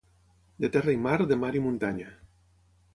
de terra i mar, de mar i muntanya